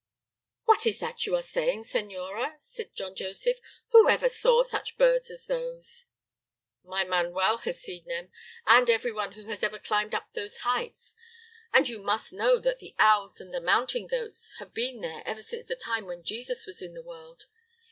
"What is that you are saying, Senora?" cried John Joseph, "who ever saw such birds as those?" "My Manuel has seen them, and every one who has ever climbed up those heights; and you must know that the owls and the mountain goats have been there ever since the time when Jesus was in the world.